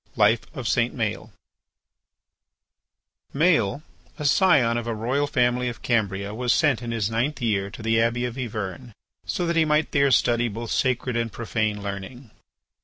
LIFE OF SAINT MAËL Maël, a scion of a royal family of Cambria, was sent in his ninth year to the Abbey of Yvern so that he might there study both sacred and profane learning.